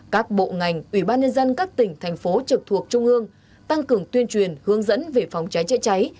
các bộ ngành ủy ban nhân dân các tỉnh thành phố trực thuộc trung ương tăng cường tuyên truyền hướng dẫn về phòng cháy chữa cháy